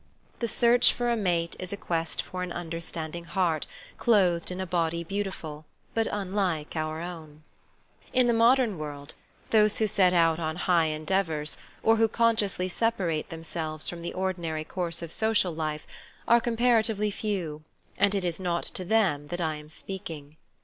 The search for a mate is a quest for an understand ing heart clothed in a body beautiful, but unlike our own In the modern world, those who set out on high endeavours or who consciously separate themselves from the ordinary course of social life, are compara tively few, and it is not to them that I am speaking.